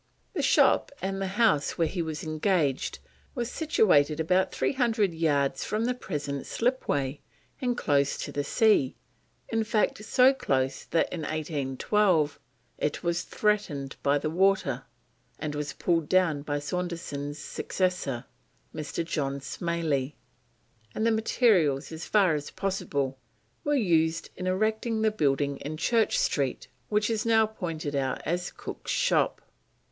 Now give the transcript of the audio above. The shop and house where he was engaged was situated about three hundred yards from the present slipway, and close to the sea, in fact so close that in 1812 it was threatened by the water, and was pulled down by Saunderson's successor, Mr. John Smailey, and the materials, as far as possible, were used in erecting the building in Church Street which is now pointed out as Cook's Shop.